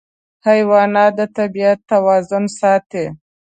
حیوانات د طبیعت توازن ساتي.